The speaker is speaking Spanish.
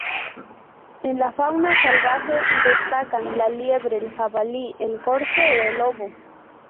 En la fauna salvaje destacan la liebre, el jabalí, el corzo o el lobo.